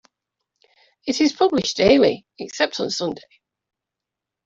It is published daily, except on Sunday.